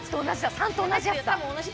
３と同じやつだ。